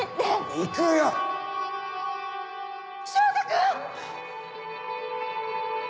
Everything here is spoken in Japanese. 翔太君！